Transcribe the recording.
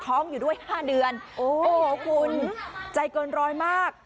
ท้องอยู่ด้วย๕เดือนโอ้โหคุณใจเกินร้อยมาก